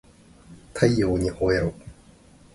太陽にほえろ